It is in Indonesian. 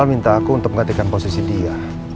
al minta aku untuk mengatakan posisi dia